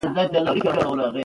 که انصاف وي، نو کینه نه وي.